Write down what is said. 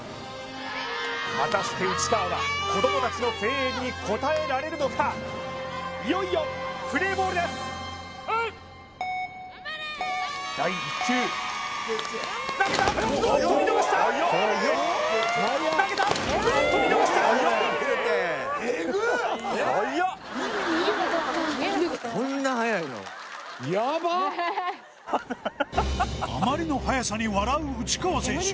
果たして内川は子供達の声援に応えられるのかいよいよプレーボールですプレー第１球投げたおっと見逃した投げたおっと見逃したあまりの速さに笑う内川選手